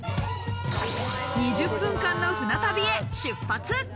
２０分間の船旅へ出発。